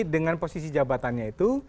dengan posisi jabatannya itu